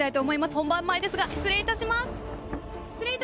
本番前ですが失礼いたします。